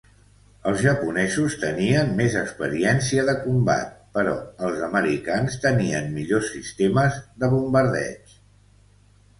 Els japonesos tenien més experiència de combat, però els americans tenien millors sistemes de bombardeig.